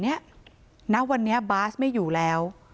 ณวันนี้บาสไม่อยู่แล้ว